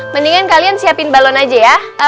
mendingan kalian siapin balon aja ya